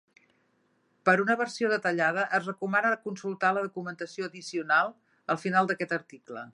Per una versió detallada es recomana consultar la documentació addicional al final d'aquest article.